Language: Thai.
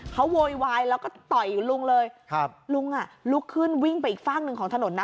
เขาโวยวายแล้วก็ต่อยลุงเลยครับลุงอ่ะลุกขึ้นวิ่งไปอีกฝากหนึ่งของถนนน่ะ